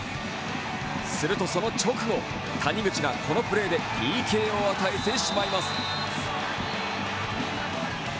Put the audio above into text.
するとその直後谷口がこのプレーでＰＫを与えてしまいます。